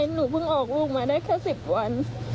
หนูเพิ่งออกลูกมาได้แค่๑๐วัน